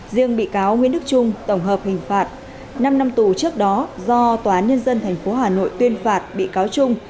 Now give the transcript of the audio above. riêng bị cáo nguyễn đức trung tổng hợp hình phạt năm năm tù trước đó do tòa án nhân dân tp hà nội tuyên phạt bị cáo trung